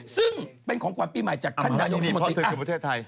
ซึ่งเป็นของขวัญปีใหม่จากท่านนายก